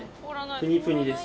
プニプニです。